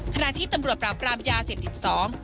ขณะที่ตำรวจปราบรามยาเสพติดสอง